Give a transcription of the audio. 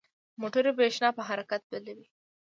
موټور برېښنا په حرکت بدلوي.